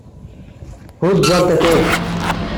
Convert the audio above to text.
Who's brought the cake?